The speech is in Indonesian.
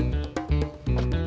tot aqui kebetulan